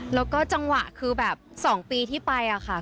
แล้วก็จังหวะคือแบบ๒ปีที่ไปอะค่ะ